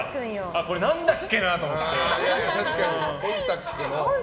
これ何だっけなと思って。